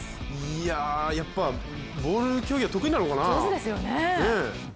やっぱボールの競技は得意なのかな。